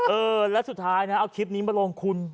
เออแล้วสุดท้ายนะเอาคลิปนี้มาลงคุณ